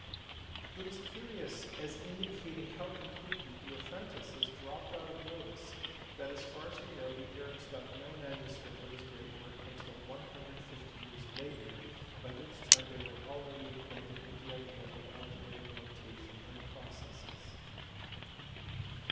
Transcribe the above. It is curious as indicating how completely Diophantus had dropped out of notice that as far as we know the Arabs got no manu script of his great work till 150 years later, by which time they were already acquainted with the idea of algebraic notation and processes.